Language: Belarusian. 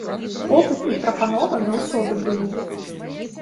Попыт і прапанова заўсёды былі.